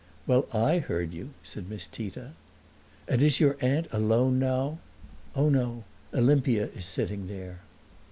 "Well, I heard you," said Miss Tita. "And is your aunt alone now?" "Oh, no; Olimpia is sitting there."